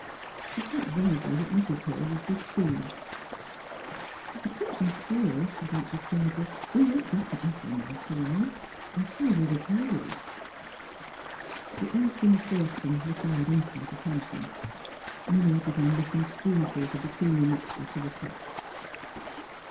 She felt vaguely that Mrs. Hill was displeasd. *' The kitchen floor," she ventured, timidly, / 128 THE HEAET OF PHILUEA *' will look better after another cleaning. So will the tables." The eggs in the sancepan required instant at tention. Milly began lifting spoonfuls of the creamy mixture to the top.